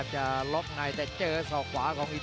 แชลเบียนชาวเล็ก